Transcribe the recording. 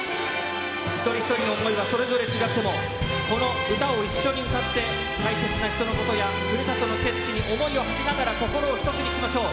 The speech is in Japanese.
一人一人の思いはそれぞれ違っても、この歌を一緒に歌って、大切な人のことやふるさとの景色に思いをはせながら、心を一つにしましょう。